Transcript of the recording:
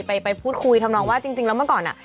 ไปพูดคุยทำนองว่าจริงแล้วเมื่อก่อนอ่ะ